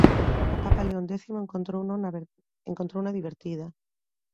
O papa León X encontrouna divertida.